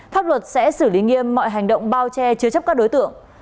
pháp luật sẽ xử lý nghiêm mọi hành động bao che chứa chấp các đối tượng